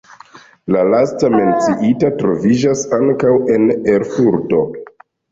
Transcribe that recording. La laste menciita troviĝas ankaŭ en Erfurto.